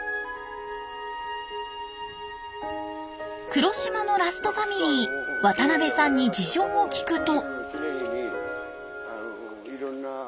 黒島のラストファミリー渡邊さんに事情を聞くと。